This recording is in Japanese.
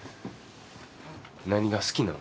何が好きなん？